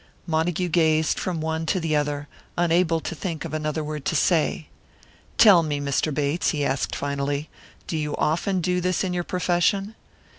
Montague gazed from one to the other, unable to think of another word to say. "Tell me, Mr. Bates," he asked finally, "do you often do this in your profession?"